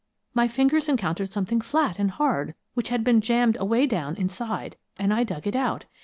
My fingers encountered something flat and hard which had been jammed away down inside, and I dug it out.